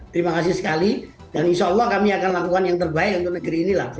terima kasih sekali dan insyaallah kami akan lakukan yang terbaik untuk negeri ini lah